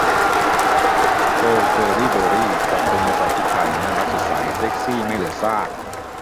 โอว เกิร์ลลี่ เบอร์รี่ จับเธอมาใส่ชุดไทย น่ารักสดใส เซ็กซี่ไม่เหลือซาก